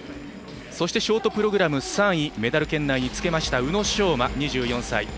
そしてショートプログラム３位メダル圏内につけました宇野昌磨、２４歳。